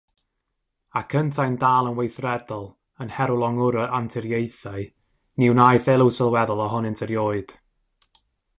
Ac yntau'n dal yn weithredol yn herwlongwra anturiaethau, ni wnaeth elw sylweddol ohonynt erioed.